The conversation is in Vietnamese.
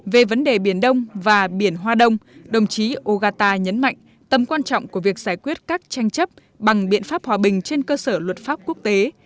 về vấn đề biển đông và biển hoa đông đồng chí ogata nhấn mạnh tầm quan trọng của việc giải quyết các tranh chấp bằng biện pháp hòa bình trên cơ sở luật pháp quốc tế